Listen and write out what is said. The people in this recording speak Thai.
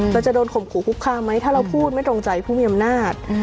จะโดนข่มขู่คุกคามไหมถ้าเราพูดไม่ตรงใจผู้มีอำนาจ